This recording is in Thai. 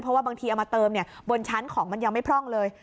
เพราะว่าบางทีเอามาเติมบนชั้นของมันยังไม่พร่องเลย